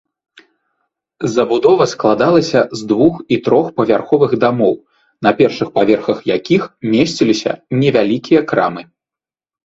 Забудова складалася з двух- і трохпавярховых дамоў, на першых паверхах якіх месціліся невялікія крамы.